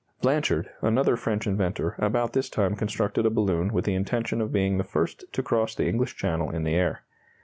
Blanchard, another French inventor, about this time constructed a balloon with the intention of being the first to cross the English Channel in the air.